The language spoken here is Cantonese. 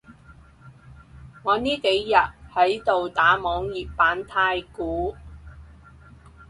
我呢幾日喺度打網頁版太鼓